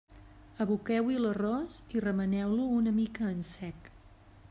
Aboqueu-hi l'arròs i remeneu-lo una mica en sec.